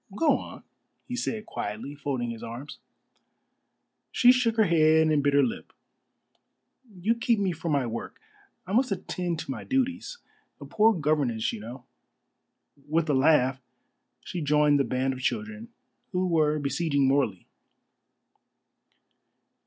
"Go on," he said quietly, folding his arms. She shook her head and bit her lip. "You keep me from my work. I must attend to my duties. A poor governess, you know." With a laugh she joined the band of children, who were besieging Morley.